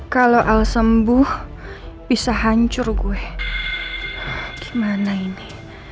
kalau al sembuh bisa hancur gue gimana ini